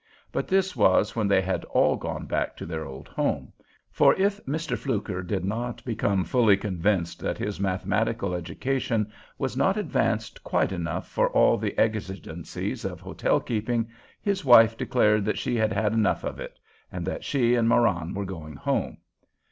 But this was when they had all gone back to their old home; for if Mr. Fluker did not become fully convinced that his mathematical education was not advanced quite enough for all the exigencies of hotel keeping, his wife declared that she had had enough of it, and that she and Marann were going home.